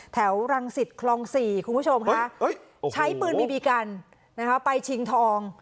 แถวรังสิตคลอง๔คุณผู้ชมค่ะใช้ปืนบีบีกันไปชิงทอง